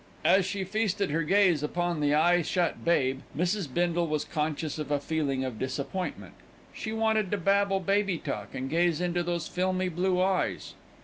As she feasted her gaze upon the eye shut babe, Mrs. Bindle was conscious of a feeling of disappointment. She wanted to babble baby talk, and gaze into those filmy blue eyes.